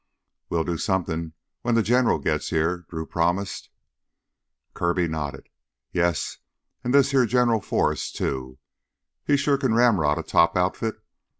"We'll do something when the General gets here," Drew promised. Kirby nodded. "Yes, an' this heah General Forrest, too. He sure can ramrod a top outfit.